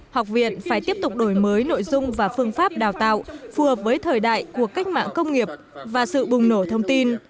học viện phải tiếp tục đổi mới nội dung và phương pháp đào tạo phù hợp với thời đại của cách mạng công nghiệp và sự bùng nổ thông tin